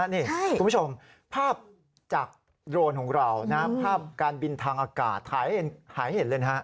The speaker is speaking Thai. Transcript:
คุณผู้ชมภาพจากโรลของเราภาพการบินทางอากาศหายเห็นเลย